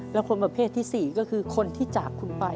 แล้วคนประเภทที่๔ก็คือคนที่จากคุณไป